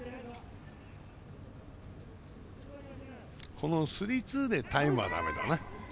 このスリーツーでタイムはだめだな。